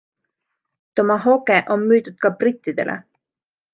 Tomahawke on müüdud ka brittidele.